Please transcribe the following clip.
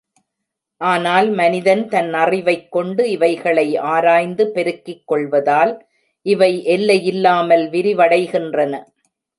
ஆனால் மனிதன் தன் அறிவைக் கொண்டு இவைகளை ஆராய்ந்து பெருக்கிக் கொள்வதால், இவை எல்லை யில்லாமல் விரிவடைகின்றன.